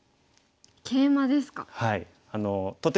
ケイマですか。